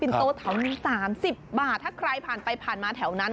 ปิ่นโต๊ะเถาหนึ่งสามสิบบาทถ้าใครผ่านไปผ่านมาแถวนั้น